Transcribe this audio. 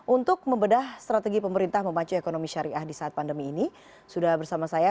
untuk membedah strategi pemerintah memacu ekonomi syariah di saat pandemi ini sudah bersama saya